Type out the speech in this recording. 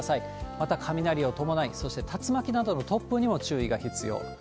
また、雷を伴い、そして竜巻などの突風にも注意が必要。